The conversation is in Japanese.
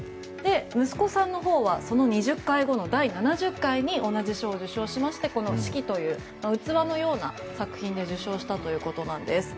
息子さんのほうはその２０回後の第７０回に同じ賞を受賞しましてこの、式という器のような作品で受賞したということです。